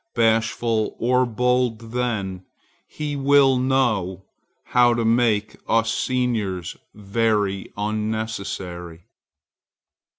Bashful or bold then, he will know how to make us seniors very unnecessary.